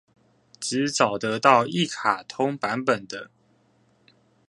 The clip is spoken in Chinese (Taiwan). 只找得到一卡通版本的